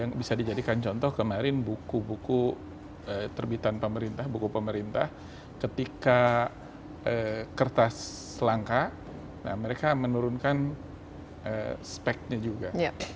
yang bisa dijadikan contoh kemarin buku buku terbitan pemerintah buku pemerintah ketika kertas langka mereka menurunkan speknya juga